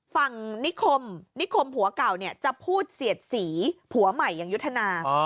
ฝั่งนิคมนิคมผัวเก่าเนี่ยจะพูดเสียดสีผัวใหม่อย่างยุทธนา